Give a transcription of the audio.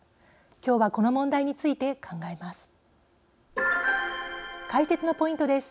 今日はこの問題について考えます。